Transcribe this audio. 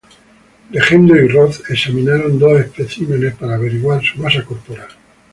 Legendre y Roth examinaron dos especímenes para averiguar su masa corporal.